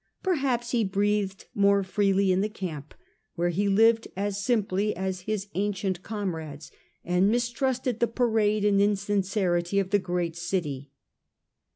Perhaps he breathed more freely in the camp, where he lived as simply as h»s ancient comrades, and mistrusted the parade and insincerity of the great city.